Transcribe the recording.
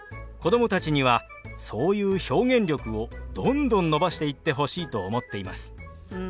子供たちにはそういう表現力をどんどん伸ばしていってほしいと思っています。